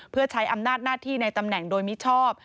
เพื่อใช้อำนาจหน้าที่ในตำแหน่งโดยมิชอบ